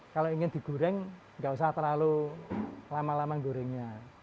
kalau ingin digoreng nggak usah terlalu lama lama gorengnya